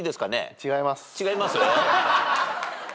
違います？